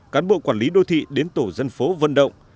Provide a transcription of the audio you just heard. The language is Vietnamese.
cán bộ quản lý đô thị đến tổ dân phố vận động